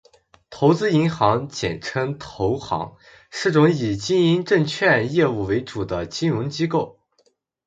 投资银行，简称投行，是种以经营证券业务为主的金融机构